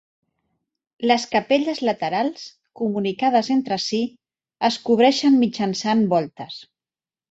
Les capelles laterals, comunicades entre si, es cobreixen mitjançant voltes.